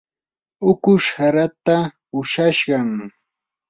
ukush haraata ushashqam.